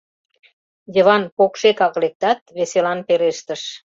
Йыван покшекак лектат, веселан пелештыш: